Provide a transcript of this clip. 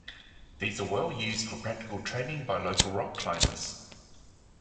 These are well used for practical training by local rock-climbers.